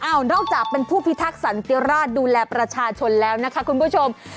นอกจากเป็นผู้พิทักษันติราชดูแลประชาชนแล้วนะคะคุณผู้ชม